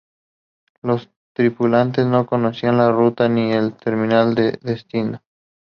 Los tripulantes no conocían la ruta ni el terminal de destino.